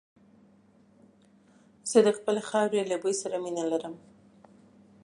زه د خپلې خاورې له بوی سره مينه لرم.